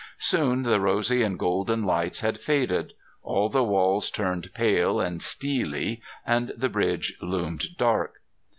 Soon the rosy and golden lights had faded. All the walls turned pale and steely and the bridge loomed dark.